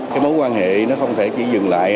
cái mối quan hệ nó không thể chỉ dừng lại